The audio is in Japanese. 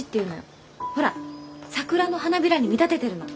ほら桜の花びらに見立ててるの。